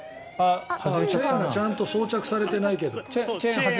チェーンがちゃんと装着されてないけど。